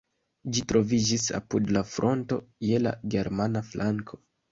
Ĝi troviĝis apud la fronto, je la germana flanko.